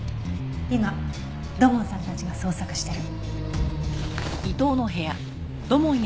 今土門さんたちが捜索してる。